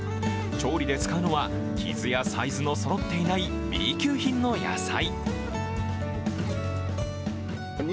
調理で使うのは、傷やサイズのそろっていないＢ級品の野菜。